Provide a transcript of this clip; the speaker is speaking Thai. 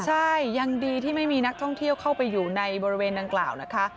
ใช่ยังดีที่ไม่มีนักท่องเที่ยวเข้าไปอยู่ในบริเวณดังกล่าวนะคะ